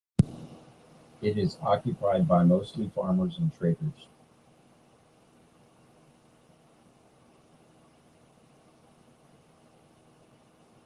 It is occupied by mostly farmers and traders.